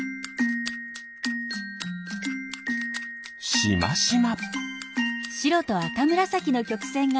しましま。